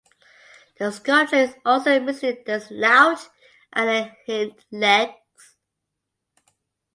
The sculpture is also missing the snout and the hind legs.